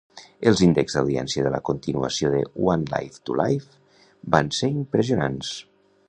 Els índexs d'audiència de la continuació de "One Life to Live" van ser impressionants.